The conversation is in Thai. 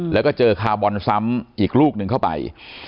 แล้วก็เจอคาร์บอลซ้ำอีกลูกหนึ่งเข้าไป